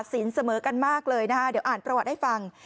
เสมอกันมากเลยนะคะเดี๋ยวอ่านประวัติให้ฟัง